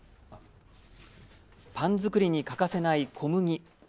パン作りに欠かせない小麦。